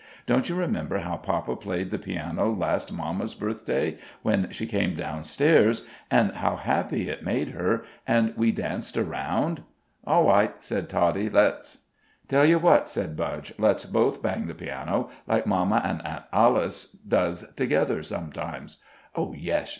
Don't you remember how papa played the piano last mamma's birthday when she came down stairs, an' how happy it made her, an' we danced around?" "Aw wight," said Toddie. "Let's." "Tell you what," said Budge, "let's both bang the piano, like mamma an' Aunt Alice does together sometimes." "Oh, yesh!"